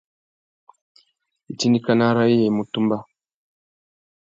Itindikana râ iya i mú tumba.